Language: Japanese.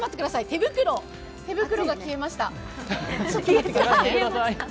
手袋が消えました。